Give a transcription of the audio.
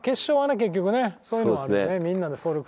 結局ねそういうのはあるよね